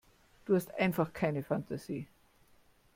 Du hast einfach keine Fantasie.